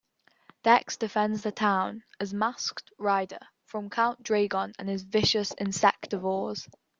Dex defends the town as Masked Rider from Count Dregon and his vicious Insectovores.